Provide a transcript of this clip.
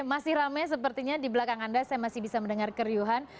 masih rame sepertinya di belakang anda saya masih bisa mendengar keriuhan